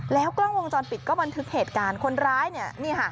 กล้องวงจรปิดก็บันทึกเหตุการณ์คนร้ายเนี่ยนี่ค่ะ